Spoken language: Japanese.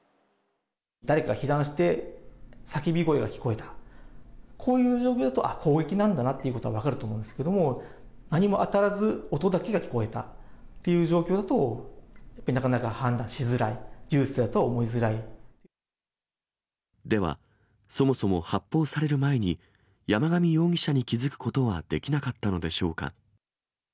誰か被弾して、叫び声が聞こえた、こういう状況だと、あっ、攻撃なんだなということは分かると思うんですけど、何も当たらず音だけが聞こえたっていう状況だと、なかなか、判断しづらい、では、そもそも発砲される前に、山上容疑者に気付くことはできなかったのでしょうか。